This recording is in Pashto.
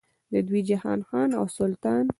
د دې جهان خان او سلطان.